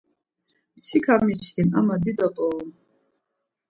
Mtsika miçkin ama dido p̌orom.